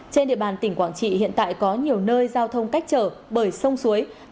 trên địa bàn tỉnh quảng trị hiện tại có nhiều nơi giao thông cách trở bởi sông suối